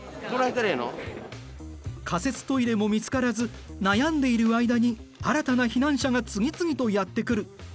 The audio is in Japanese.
仮設トイレも見つからず悩んでいる間に新たな避難者が次々とやって来る。